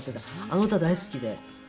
あの歌大好きで。